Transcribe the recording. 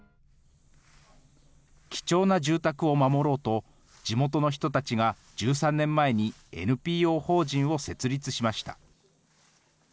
貴重な住宅を守ろうと、地元の人たちが１３年前にＮＰＯ法人を設立しました。